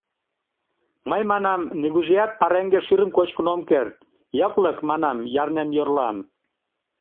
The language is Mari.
Мый, манам, нигузеат пареҥге шӱрым кочкын ом керт, йыклык, манам, ярнен йӧрлам.